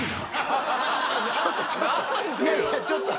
ちょっとちょっと。